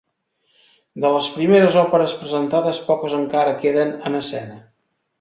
De les primeres òperes presentades poques encara queden en escena.